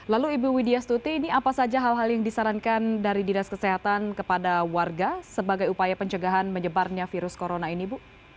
lalu ibu widya stuti ini apa saja hal hal yang disarankan dari dinas kesehatan kepada warga sebagai upaya pencegahan menyebarnya virus corona ini ibu